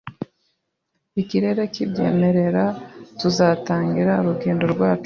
Ikirere kibyemerera, tuzatangira urugendo rwacu ejo